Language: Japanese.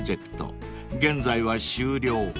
［現在は終了］